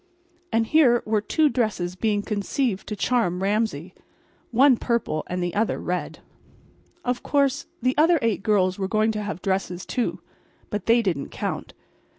And here were two dresses being conceived to charm Ramsay—one purple and the other red. Of course, the other eight girls were going to have dresses too, but they didn't count.